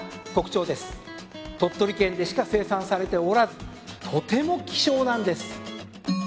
鳥取県でしか生産されておらずとても希少なんです。